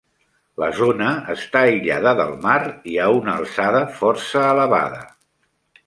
La zona està aïllada del mar i a una alçada força elevada.